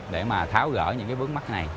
để mà tháo gỡ những bướng mắt này